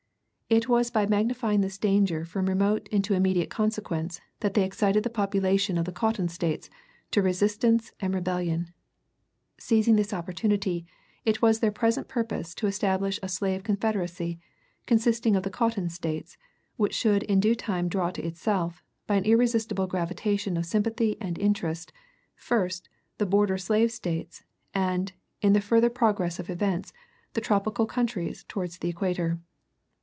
It was by magnifying this danger from remote into immediate consequence that they excited the population of the cotton States to resistance and rebellion. Seizing this opportunity, it was their present purpose to establish a slave Confederacy, consisting of the cotton States, which should in due time draw to itself, by an irresistible gravitation of sympathy and interest, first, the border slave States, and, in the further progress of events, the tropical countries towards the equator.